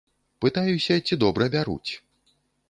Пытаюся, ці добра бяруць?